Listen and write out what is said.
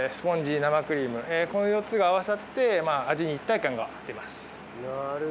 この４つが合わさって味に一体感が出ます。